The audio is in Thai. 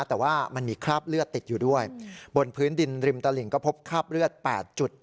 แต่ว่ามันมีคราบเลือดติดอยู่ด้วยบนพื้นดินริมตลิ่งก็พบคราบเลือด๘จุด